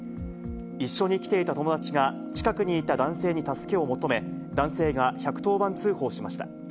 一緒に来ていた友達が、近くにいた男性に助けを求め、男性が１１０番通報しました。